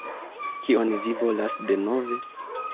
Kion vi volas denove?